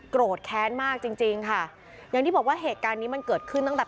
โกรธแค้นมากจริงจริงค่ะอย่างที่บอกว่าเหตุการณ์นี้มันเกิดขึ้นตั้งแต่